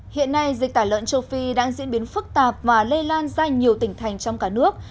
hiện nay dịch tả lợn châu phi đang diễn biến phức tạp và lây lan ra nhiều tỉnh thành trong cả nước